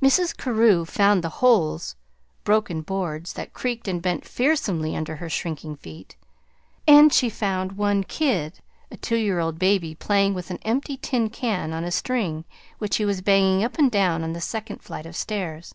Mrs. Carew found the "holes" broken boards that creaked and bent fearsomely under her shrinking feet; and she found one "kid" a two year old baby playing with an empty tin can on a string which he was banging up and down the second flight of stairs.